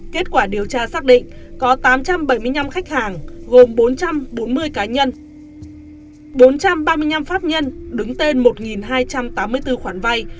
kết quả điều tra xác định có tám trăm bảy mươi năm khách hàng gồm bốn trăm bốn mươi cá nhân bốn trăm ba mươi năm pháp nhân đứng tên một hai trăm tám mươi bốn khoản vay